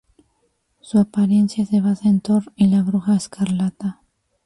Su apariencia se basa en Thor y la Bruja Escarlata.